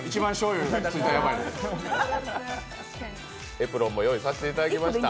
エプロンも用意させていただきました。